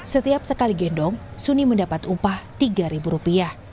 setiap sekali gendong suni mendapat upah rp tiga